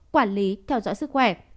quản lý theo dõi sức khỏe